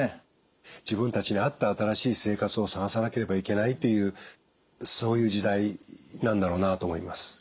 自分たちに合った新しい生活を探さなければいけないというそういう時代なんだろうなあと思います。